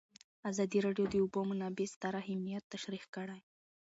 ازادي راډیو د د اوبو منابع ستر اهميت تشریح کړی.